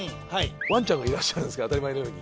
ワンちゃんがいらっしゃるんですが当たり前のように。